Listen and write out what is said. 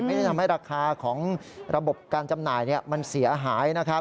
ไม่ได้ทำให้ราคาของระบบการจำหน่ายมันเสียหายนะครับ